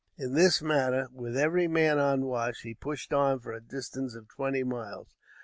In this manner, with every man on the watch, he pushed on for a distance of twenty miles.